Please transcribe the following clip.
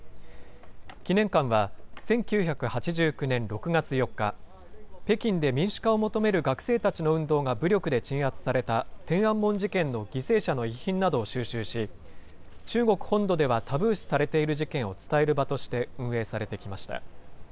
記念館は１９８９年６月４日、北京で民主化を求める学生たちの運動が武力で鎮圧された天安門事件の犠牲者の遺品などを収集し、中国本土ではタブー視されている事件を伝える場として運営されてきました。